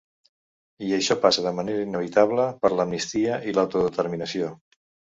I això passa de manera inevitable per l’amnistia i l’autodeterminació.